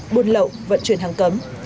buôn lậu vận chuyển hàng cấm